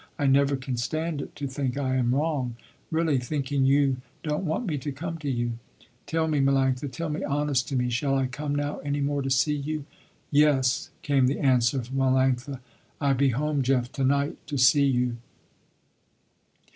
I never can stand it to think I am wrong; really, thinking you don't want me to come to you. Tell me Melanctha, tell me honest to me, shall I come now any more to see you." "Yes" came the answer from Melanctha, "I be home Jeff to night to see you."